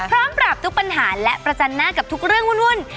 ปราบทุกปัญหาและประจันหน้ากับทุกเรื่องวุ่น